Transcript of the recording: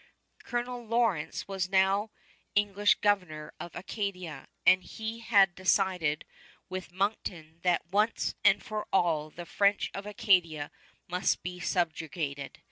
Colonel Lawrence was now English governor of Acadia, and he had decided with Monckton that once and for all the French of Acadia must be subjugated.